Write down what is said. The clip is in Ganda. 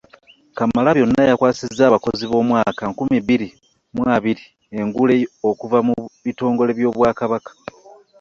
Kamalabyonna yakwasizza abakozi b’omwaka nkumi bbiri mu abiri engule, okuva mu bitongole by’Obwakabaka.